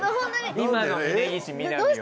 今の峯岸みなみは。